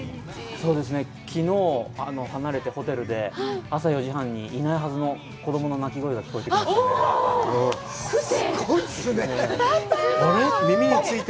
そうですね、きのう、離れて、ホテルで、朝４時半に、いないはずの子供の泣き声が聞こえてきまして。